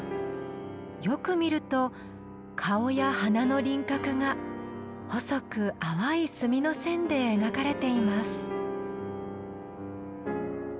よく見ると顔や鼻の輪郭が細く淡い墨の線で描かれています。